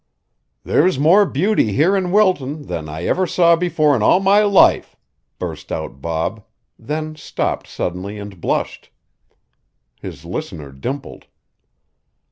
"There's more beauty here in Wilton than I ever saw before in all my life," burst out Bob, then stopped suddenly and blushed. His listener dimpled.